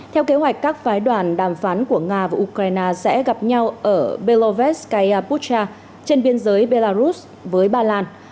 theo kế hoạch các phái đoàn đàm phán của nga và ukraine sẽ gặp nhau ở belovetskaya pucha trên biên giới belarus với ba lan